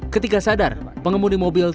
ketika sadar pengemudi mobil